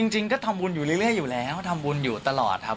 จริงก็ทำบุญอยู่เรื่อยอยู่แล้วทำบุญอยู่ตลอดครับ